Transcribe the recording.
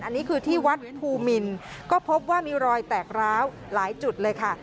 อันนี้คือที่วัดภูมินก็พบว่ามีรอยแตกร้าวหลายจุดเลยค่ะ